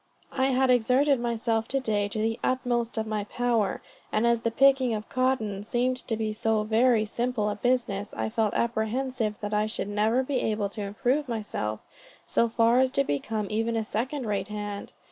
I had exerted myself to day to the utmost of my power; and as the picking of cotton seemed to be so very simple a business, I felt apprehensive that I should never be able to improve myself, so far as to become even a second rate hand.